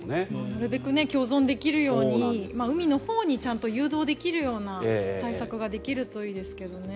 なるべく共存できるように海のほうに誘導できるような対策ができるといいですけどね。